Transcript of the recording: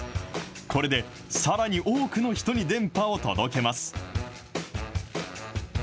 これで、さらに多くの人に電波を届けます。